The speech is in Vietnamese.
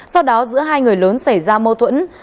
sau đó giữa hai người lớn xảy ra mâu thuẫn